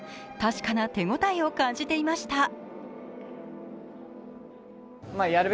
確かな手応えを感じていました。